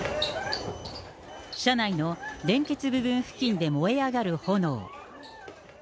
車内の連結部分付近で燃え上がる炎。